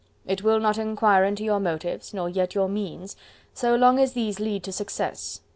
It will not enquire into your motives, nor yet your means, so long as these lead to success.